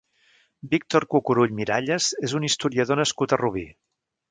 Víctor Cucurull Miralles és un historiador nascut a Rubí.